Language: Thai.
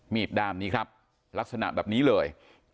ดามนี้ครับลักษณะแบบนี้เลย